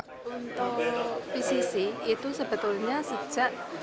untuk pcc itu sebetulnya sejak dua ribu tiga belas